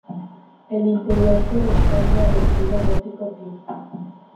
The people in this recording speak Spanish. El interior corresponde al estilo gótico típico.